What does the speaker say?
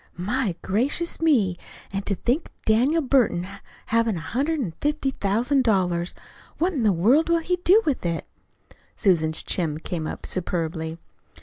"My gracious me! An' to think of Daniel Burton havin' a hundred and fifty thousand dollars! What in the world will he do with it?" Susan's chin came up superbly.